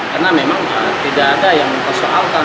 karena memang tidak ada yang mempersoalkan